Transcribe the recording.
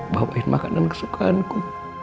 bawain makan dengan kesukaanku